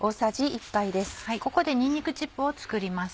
ここでにんにくチップを作ります。